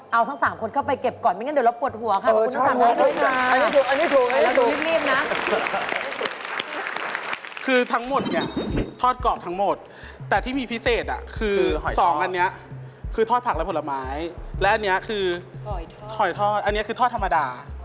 เอาทั้ง๓คนเข้าไปเก็บก่อนไม่งั้นเดี๋ยวเราปวดหัวค่ะ